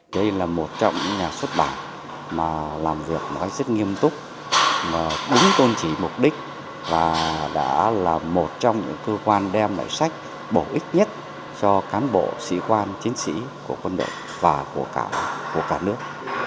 đây là một trong những nhà xuất bản mà làm việc rất nghiêm túc đúng tôn trí mục đích và đã là một trong những cơ quan đem lại sách bổ ích nhất cho cán bộ sĩ quan chiến sĩ của quân đội và của cả nước